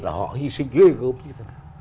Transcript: là họ hy sinh ghê gớm như thế nào